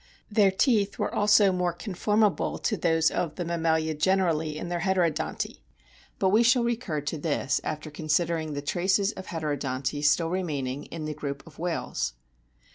Their teeth were also more conformable to those of the mammalia generally in their heterodonty ; but we shall recur to this after considering the traces of heterodonty still remaining in the group of whales.